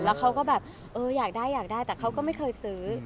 แล้วเขาก็แบบอยากได้แต่เขาก็ไม่เคยซื้อ